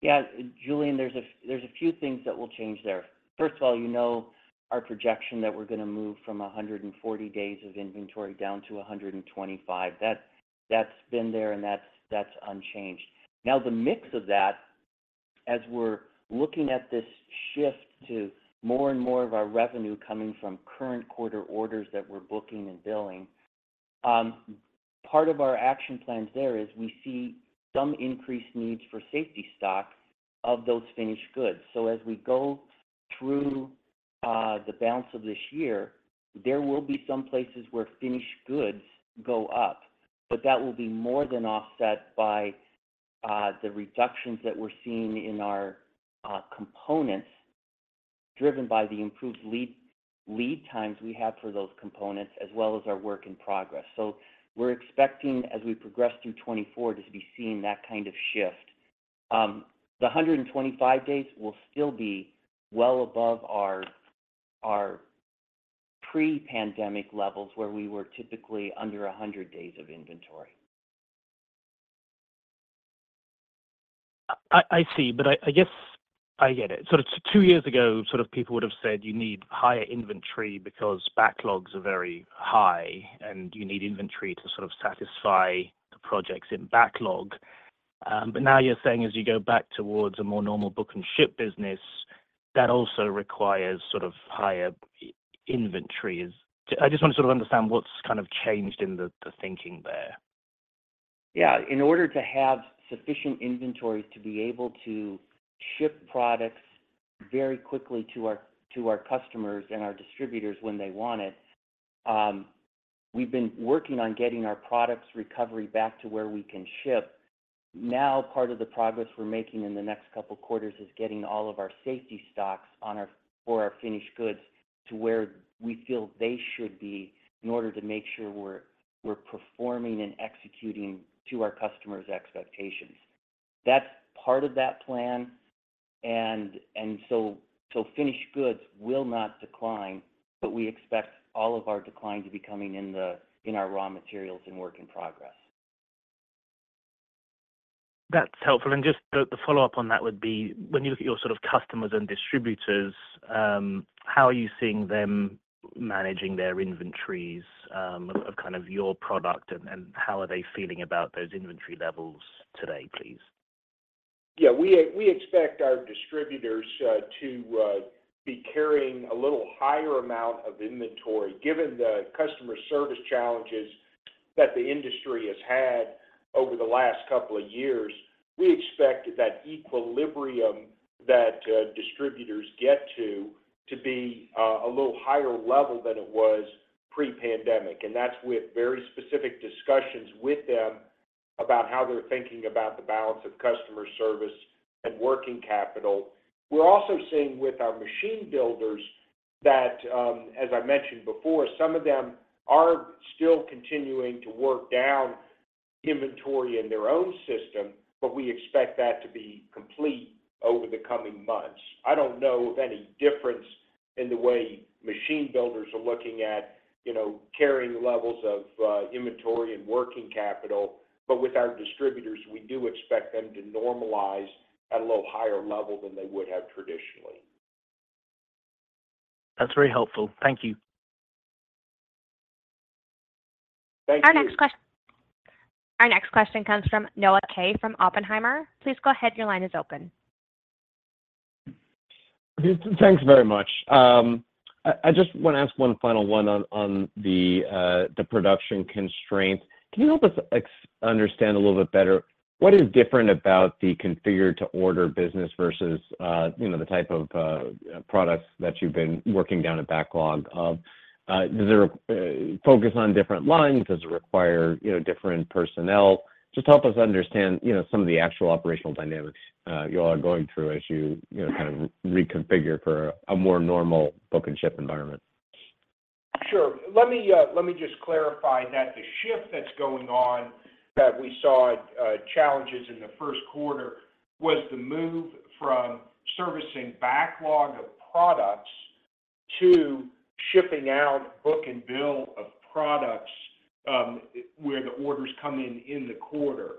Yeah, Julian, there's a, there's a few things that will change there. First of all, you know our projection that we're gonna move from 140 days of inventory down to 125. That's, that's been there, and that's, that's unchanged. Now, the mix of that, as we're looking at this shift to more and more of our revenue coming from current quarter orders that we're booking and billing, part of our action plans there is we see some increased needs for safety stock of those finished goods. So as we go through the balance of this year, there will be some places where finished goods go up, but that will be more than offset by the reductions that we're seeing in our components, driven by the improved lead times we have for those components, as well as our work in progress. So we're expecting, as we progress through 2024, to be seeing that kind of shift. The 125 days will still be well above our pre-pandemic levels, where we were typically under 100 days of inventory. I see, but I guess I get it. So two years ago, sort of people would have said, "You need higher inventory because backlogs are very high, and you need inventory to sort of satisfy the projects in backlog." But now you're saying as you go back towards a more normal book and ship business, that also requires sort of higher inventory. I just want to sort of understand what's kind of changed in the thinking there. Yeah. In order to have sufficient inventory to be able to ship products very quickly to our, to our customers and our distributors when they want it, we've been working on getting our products recovery back to where we can ship. Now, part of the progress we're making in the next couple of quarters is getting all of our safety stocks on our—for our finished goods to where we feel they should be, in order to make sure we're, we're performing and executing to our customers' expectations. That's part of that plan, and, and so, so finished goods will not decline, but we expect all of our decline to be coming in the—in our raw materials and work in progress. That's helpful. And just the follow-up on that would be: when you look at your sort of customers and distributors, how are you seeing them managing their inventories, of kind of your product, and how are they feeling about those inventory levels today, please? Yeah, we expect our distributors to be carrying a little higher amount of inventory. Given the customer service challenges that the industry has had over the last couple of years, we expect that equilibrium that distributors get to to be a little higher level than it was pre-pandemic, and that's with very specific discussions with them about how they're thinking about the balance of customer service and working capital. We're also seeing with our machine builders that, as I mentioned before, some of them are still continuing to work down inventory in their own system, but we expect that to be complete over the coming months. I don't know of any difference in the way machine builders are looking at, you know, carrying levels of inventory and working capital, but with our distributors, we do expect them to normalize at a little higher level than they would have traditionally. That's very helpful. Thank you. Thank you. Our next question comes from Noah Kaye from Oppenheimer. Please go ahead. Your line is open. Thanks very much. I just want to ask one final one on the production constraints. Can you help us understand a little bit better what is different about the configure-to-order business versus, you know, the type of products that you've been working down a backlog of? Is there a focus on different lines? Does it require, you know, different personnel? Just help us understand, you know, some of the actual operational dynamics you all are going through as you, you know, kind of reconfigure for a more normal book-and-ship environment. Sure. Let me, let me just clarify that the shift that's going on, that we saw challenges in the first quarter, was the move from servicing backlog of products to shipping out book and bill of products, where the orders come in in the quarter.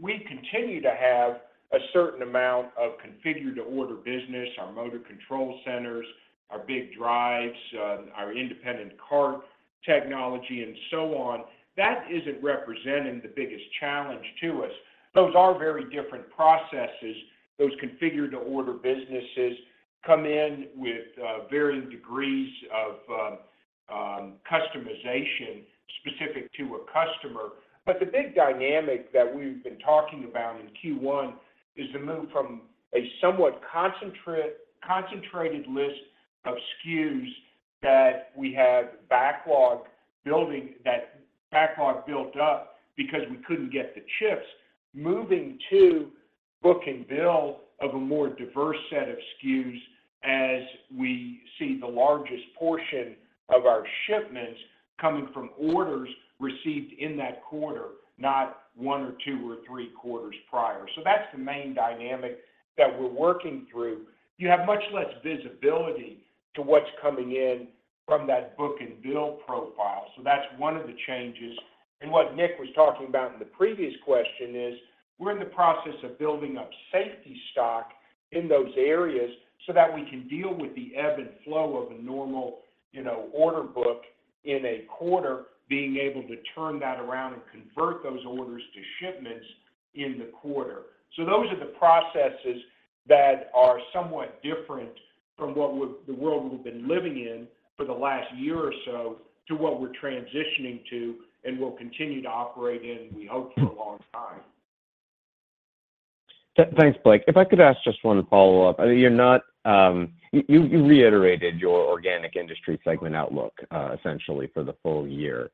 We continue to have a certain amount of configure-to-order business, our motor control centers, our big drives, our Independent Cart Technology, and so on. That isn't representing the biggest challenge to us. Those are very different processes. Those configure-to-order businesses come in with varying degrees of customization specific to a customer. But the big dynamic that we've been talking about in Q1 is the move from a somewhat concentrated list of SKUs that we had backlog building... That backlog built up because we couldn't get the chips, moving to book and bill of a more diverse set of SKUs as we see the largest portion of our shipments coming from orders received in that quarter, not one or two or three quarters prior. So that's the main dynamic that we're working through. You have much less visibility to what's coming in from that book and bill profile, so that's one of the changes. And what Nick was talking about in the previous question is, we're in the process of building up safety stock in those areas so that we can deal with the ebb and flow of a normal, you know, order book in a quarter, being able to turn that around and convert those orders to shipments in the quarter. So those are the processes that are somewhat different from the world we've been living in for the last year or so, to what we're transitioning to and will continue to operate in, we hope, for a long time. Thanks, Blake. If I could ask just one follow-up. You're not... You reiterated your organic industry segment outlook essentially for the full year.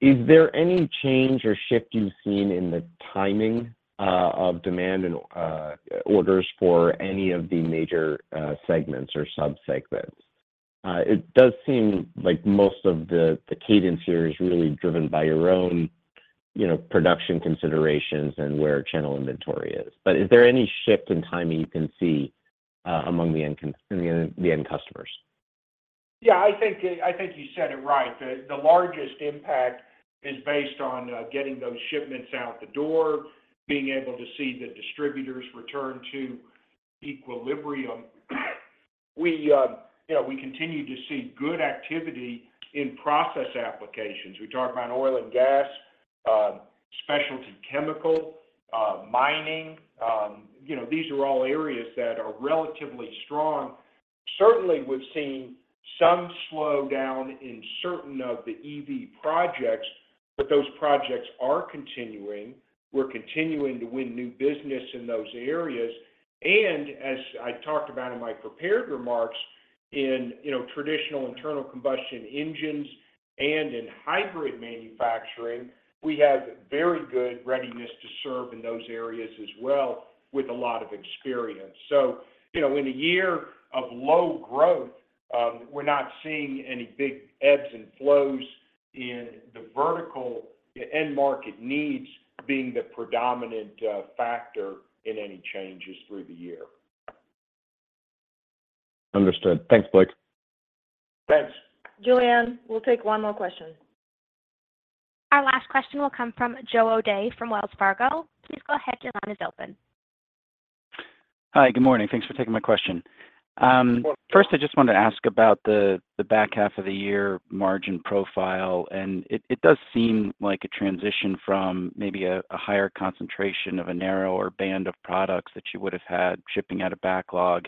Is there any change or shift you've seen in the timing of demand and orders for any of the major segments or sub-segments? It does seem like most of the cadence here is really driven by your own, you know, production considerations and where channel inventory is. But is there any shift in timing you can see among the end customers? Yeah, I think you said it right. The largest impact is based on getting those shipments out the door, being able to see the distributors return to equilibrium. We, you know, we continue to see good activity in process applications. We talk about oil and gas, specialty chemical, mining. You know, these are all areas that are relatively strong. Certainly, we've seen some slowdown in certain of the EV projects, but those projects are continuing. We're continuing to win new business in those areas. And as I talked about in my prepared remarks, you know, traditional internal combustion engines and in hybrid manufacturing, we have very good readiness to serve in those areas as well, with a lot of experience. So, you know, in a year of low growth, we're not seeing any big ebbs and flows in the vertical end market needs being the predominant factor in any changes through the year. Understood. Thanks, Blake. Thanks. Julianne, we'll take one more question. Our last question will come from Joe O'Dea from Wells Fargo. Please go ahead, your line is open. Hi, good morning. Thanks for taking my question. Welcome. First, I just wanted to ask about the back half of the year margin profile, and it does seem like a transition from maybe a higher concentration of a narrower band of products that you would have had shipping out of backlog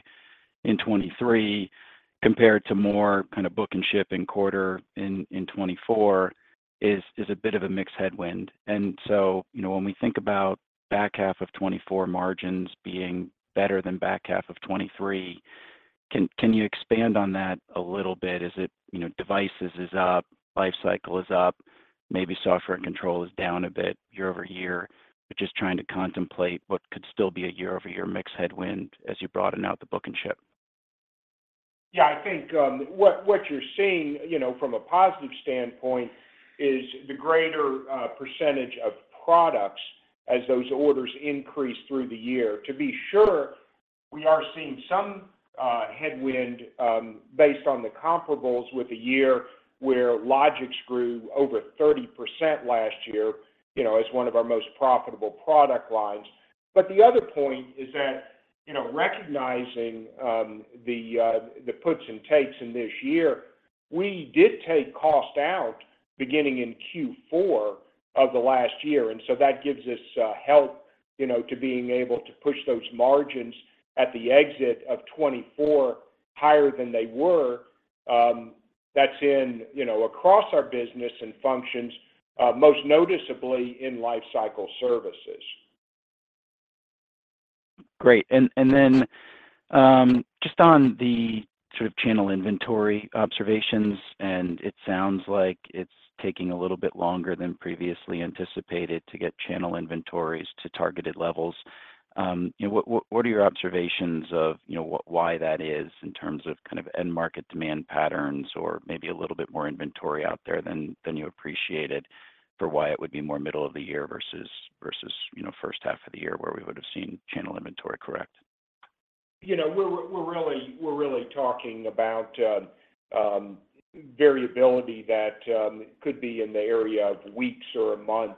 in 2023, compared to more kind of book and ship in quarter in 2024, is a bit of a mixed headwind. And so, you know, when we think about back half of 2024 margins being better than back half of 2023, can you expand on that a little bit? Is it, you know, devices is up, life cycle is up?... maybe software and control is down a bit year-over-year, but just trying to contemplate what could still be a year-over-year mix headwind as you broaden out the book and ship? Yeah, I think what you're seeing, you know, from a positive standpoint is the greater percentage of products as those orders increase through the year. To be sure, we are seeing some headwind based on the comparables with the year, where Logix grew over 30% last year, you know, as one of our most profitable product lines. But the other point is that, you know, recognizing the puts and takes in this year, we did take cost out beginning in Q4 of the last year, and so that gives us help, you know, to being able to push those margins at the exit of 2024 higher than they were. That's in, you know, across our business and functions, most noticeably in Lifecycle Services. Great. And then, just on the sort of channel inventory observations, and it sounds like it's taking a little bit longer than previously anticipated to get channel inventories to targeted levels. You know, what are your observations of, you know, why that is in terms of kind of end market demand patterns or maybe a little bit more inventory out there than you appreciated, for why it would be more middle of the year versus, you know, first half of the year where we would have seen channel inventory correct? You know, we're really talking about variability that could be in the area of weeks or a month.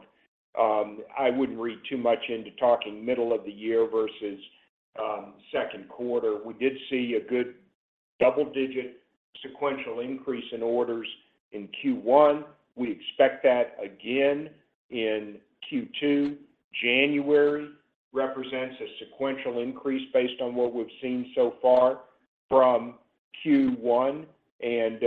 I wouldn't read too much into talking middle of the year versus second quarter. We did see a good double-digit sequential increase in orders in Q1. We expect that again in Q2. January represents a sequential increase based on what we've seen so far from Q1, and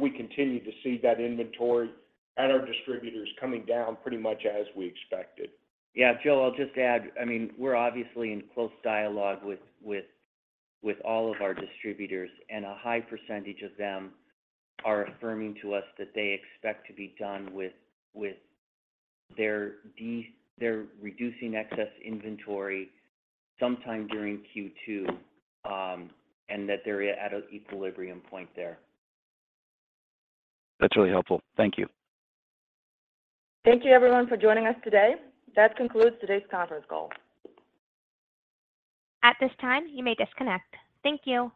we continue to see that inventory at our distributors coming down pretty much as we expected. Yeah, Joe, I'll just add, I mean, we're obviously in close dialogue with all of our distributors, and a high percentage of them are affirming to us that they expect to be done with their reducing excess inventory sometime during Q2, and that they're at an equilibrium point there. That's really helpful. Thank you. Thank you everyone for joining us today. That concludes today's conference call. At this time, you may disconnect. Thank you.